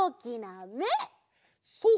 そう！